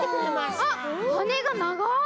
あっはねがながい！